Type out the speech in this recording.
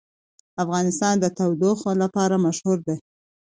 افغانستان د تودوخه لپاره مشهور دی.